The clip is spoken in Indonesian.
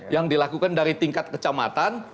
yang dilakukan dari tingkat kecamatan